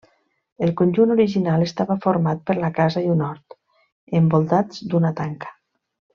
El conjunt original estava format per la casa i un hort, envoltats d'una tanca.